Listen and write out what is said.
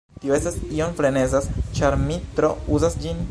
Tio estas iom frenezas ĉar mi tro uzas ĝin.